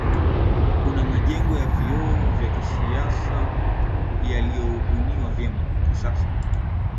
Kuna majengo ya vioo ya kisasa na yaliyobuniwa vyema